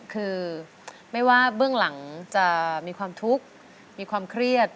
คือไม่ว่าเบื้องหลังจะมีความทุกข์มีความเครียด